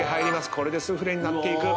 これでスフレになっていく。